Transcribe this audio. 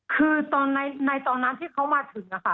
คือในตอนนั้นที่เขามาถึงค่ะ